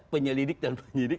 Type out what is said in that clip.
penyelidik dan penyidik